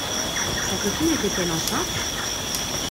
Sa copine était-elle enceinte ?